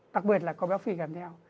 đặc biệt là có béo phỉ kèm theo